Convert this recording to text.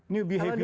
perubahan baru itu